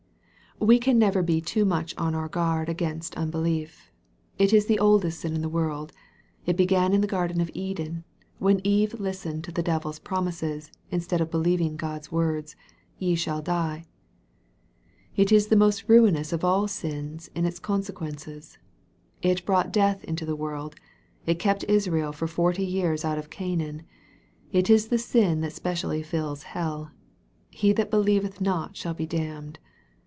We can never be too much on our guard against un belief. It is the oldest sin in the world. It began in the garden of Eden, when Eve listened to the devil's prom ises, instead of believing God's words, " ye shall die." It is the most ruinous of all sins in its consequences. It brought death into the world. It kept Israel for forty years out of Canaan. It is the sin that specially fills hell. " He that believeth not shall be damned."